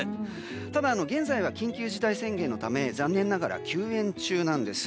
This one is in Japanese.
ただ、現在は緊急事態宣言のため残念ながら休園中なんです。